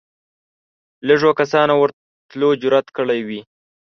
لږو کسانو ورتلو جرئت کړی وي